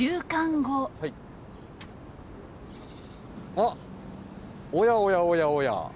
あっおやおやおやおや！